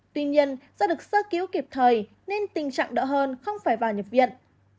tuy nhiên do được sơ cứu kịp thời nên tình trạng đỡ hơn không phải vào nhập viện